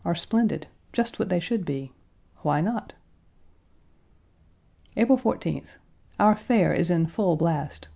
are splendid just what they should be. Why not? April 14th. Our Fair is in full blast.